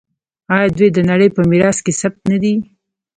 آیا دوی د نړۍ په میراث کې ثبت نه دي؟